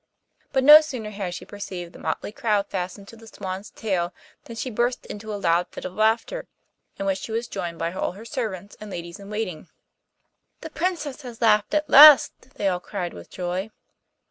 But no sooner had she perceived the motley crowd fastened to the swan's tail than she burst into a loud fit of laughter, in which she was joined by all her servants and ladies in waiting. 'The Princess has laughed at last,' they all cried with joy.